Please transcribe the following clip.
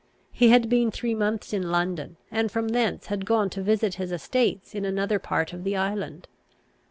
He had been three months in London, and from thence had gone to visit his estates in another part of the island.